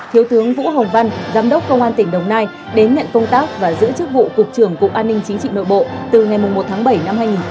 thiếu tướng vũ hồng văn giám đốc công an tỉnh đồng nai đến nhận công tác và giữ chức vụ cục trưởng cục an ninh chính trị nội bộ từ ngày một tháng bảy năm hai nghìn hai mươi